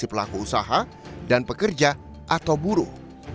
pelaku usaha dan pekerja atau buruh